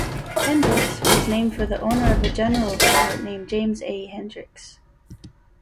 Hendrix was named for the owner of a general store named James A. Hendrix.